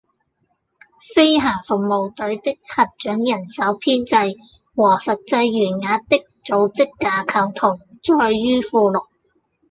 飛行服務隊的核准人手編制和實際員額的組織架構圖載於附錄